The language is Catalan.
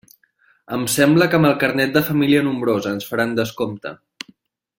Em sembla que amb el carnet de família nombrosa ens faran descompte.